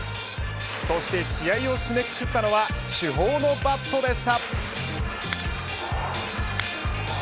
そして試合を締めくくったのは主砲のバットでした。